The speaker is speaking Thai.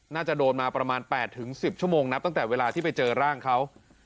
น่าจะโดนมาประมาณ๘๑๐ชั่วโมงนับตั้งแต่เวลาที่ไปเจอร่างเขา